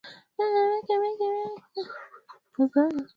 Maji yamejaa